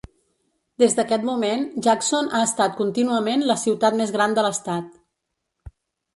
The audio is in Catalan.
Des d'aquest moment, Jackson ha estat contínuament la ciutat més gran de l'estat.